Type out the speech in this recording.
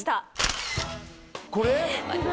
これ？